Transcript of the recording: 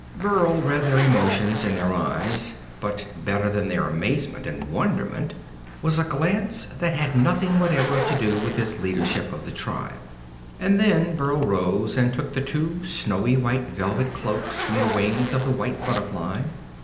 Burl read their emotions in their eyes, but better than their amazement and wonderment was a glance that had nothing whatever to do with his leadership of the tribe. And then Burl rose, and took the two snowy white velvet cloaks from the wings of the white butterfly.